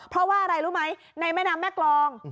เพราะว่าอะไรรู้ไหมในแม่น้ำแม่กรอง